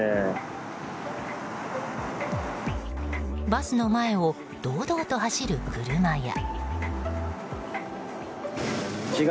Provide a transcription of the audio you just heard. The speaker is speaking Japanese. バスの前を堂々と走る車や。